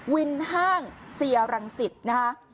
วินห้างเซียรังสิทธิ์นะฮะ